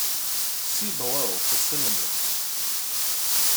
See below for synonyms.